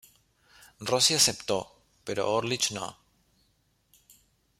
Rossi aceptó pero Orlich no.